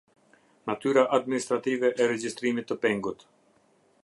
Natyra administrative e regjistrimit të pengut.